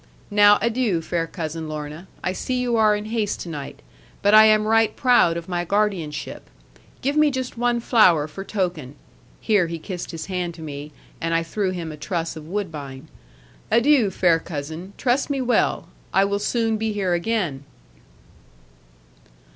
Now adieu, fair Cousin Lorna, I see you are in haste tonight; but I am right proud of my guardianship. Give me just one flower for token" here he kissed his hand to me, and I threw him a truss of woodbine "adieu, fair cousin, trust me well, I will soon be here again."